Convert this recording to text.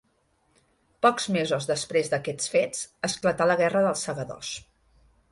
Pocs mesos després d'aquests fets esclatà la guerra dels Segadors.